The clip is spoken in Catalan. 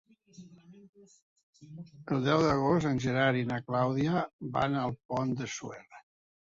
El deu d'agost en Gerard i na Clàudia van al Pont de Suert.